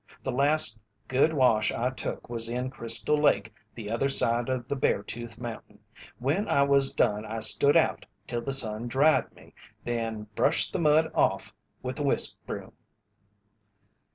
The last good wash I took was in Crystal Lake the other side of the Bear tooth Mountain. When I was done I stood out till the sun dried me, then brushed the mud off with a whisk broom."